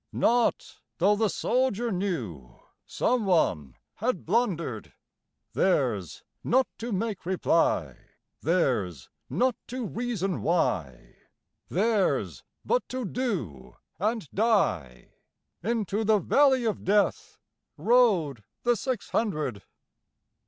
Not tho' the soldier knewSome one had blunder'd:Theirs not to make reply, Theirs not to reason why, Theirs but to do and die:Into the valley of DeathRode the six hundred.